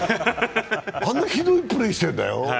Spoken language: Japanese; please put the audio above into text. あんなひどいプレーしてるんだよ。